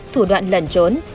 thủ đoạn lẩn trốn